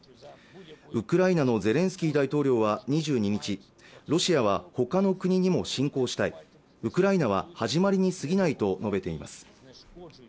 ウクライナのゼレンスキー大統領は２２日ロシアはほかの国にも侵攻したいウクライナは始まりに過ぎないと述べています